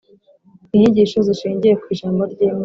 Inyigisho zishingiye ku Ijambo ry’Imana